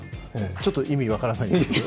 ちょっと意味分からないですけど。